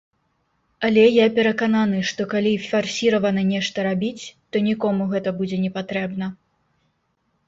Але я перакананы, што, калі фарсіравана нешта рабіць, то нікому гэта будзе непатрэбна.